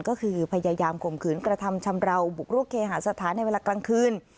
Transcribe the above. ก็คือพยายามข่มขืนกระทำชำราวบุกรุกเคหาสถานในเวลากลางคืน